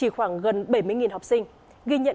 khoảng gần bảy mươi học sinh ghi nhận